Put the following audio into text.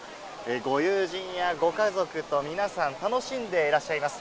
ご友人やご家族と皆さん一緒に楽しんでいらっしゃいます。